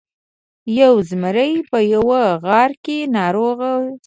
یو زمری په یوه غار کې ناروغ شو.